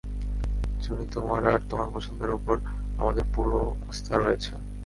জুনি, তোমার আর তোমার পছন্দের উপর আমাদের পুরো আস্থা রয়েছে।